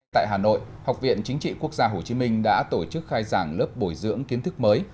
tại hà nội học viện chính trị quốc gia hồ chí minh đã tổ chức khai giảng lớp bồi dưỡng kiến thức mới